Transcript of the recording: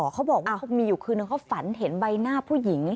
เขาบอกว่ามีอยู่คืนนึงเขาฝันเห็นใบหน้าผู้หญิง